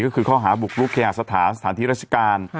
ก็คือข้อหาบุคลุขยาสถานที่ราชการ